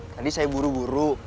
tadi saya buru buru